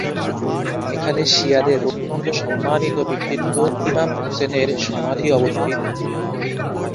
এখানে শিয়াদের অত্যন্ত সম্মানিত ব্যক্তিত্ব ইমাম হুসেনের সমাধি অবস্থিত।